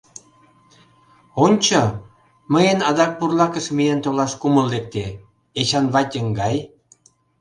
Ончо, мыйын адак бурлакыш миен толаш кумыл лекте, Эчанват еҥгай!